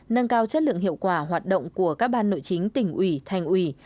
nâng cao chất lượng hiệu quả hoạt động của các ban nội chính tỉnh ủy thành ủy